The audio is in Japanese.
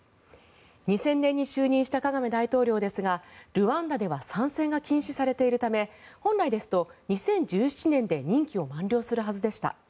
２０００年に就任したカガメ大統領ですがルワンダでは３選が禁止されているため本来ですと２０１７年で任期を満了するはずでした。